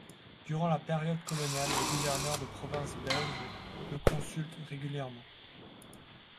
Durant la période coloniale, les gouverneurs de province belges le consultent régulièrement.